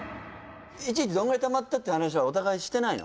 いちいちどんぐらいたまったって話はお互いしてないの？